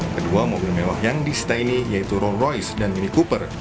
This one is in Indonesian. kedua mobil mewah yang distaini yaitu roll royce dan mini cooper